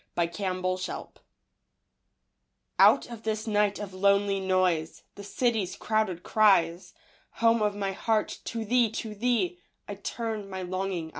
A Nocturne of Exile Out of this night of lonely noise, The city's crowded cries, Home of my heart, to thee, to thee I turn my longing eyes.